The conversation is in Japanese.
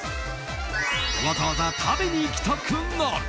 わざわざ食べに行きたくなる！